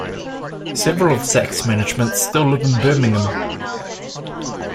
Several of Saks' management still live in Birmingham.